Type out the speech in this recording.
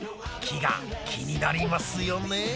木が気になりますよね。